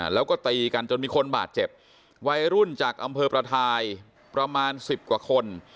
แล้วก็ตีกันจนมีคนบาดเจ็บวัยรุ่นจากอำเภอประทายประมาณ๑๐กว่าคน